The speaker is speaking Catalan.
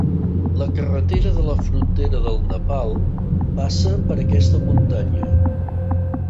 La carretera de la frontera del Nepal passa per aquesta muntanya.